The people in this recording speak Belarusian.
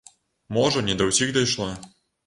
Можа, не да ўсіх дайшло.